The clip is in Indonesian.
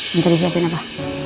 minta disiapin apa